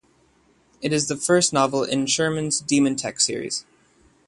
It is the first novel in Sherman's DemonTech series.